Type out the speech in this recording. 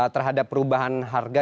terhadap perubahan harga